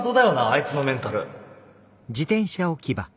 いつのメンタル。